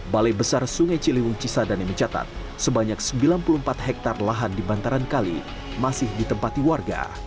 balai besar sungai ciliwung cisadane mencatat sebanyak sembilan puluh empat hektare lahan di bantaran kali masih ditempati warga